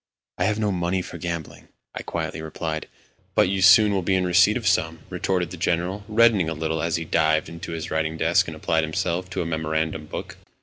"I have no money for gambling," I quietly replied. "But you will soon be in receipt of some," retorted the General, reddening a little as he dived into his writing desk and applied himself to a memorandum book.